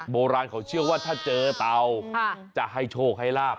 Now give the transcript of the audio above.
โบราณเขาเชื่อว่าถ้าเจอเตาจะให้โชคให้ลาบ